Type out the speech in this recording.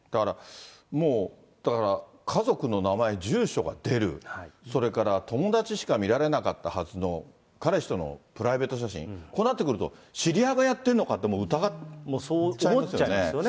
もうだから家族の名前、住所が出る、それから友だちしか見られなかったはずの彼氏とのプライベート写真、こうなってくると、知り合いがやってるのかと、そう思っちゃいますよね。